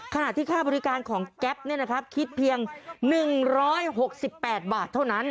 ขณะที่ค่าบริการของแก๊ปคิดเพียง๑๖๘บาทเท่านั้น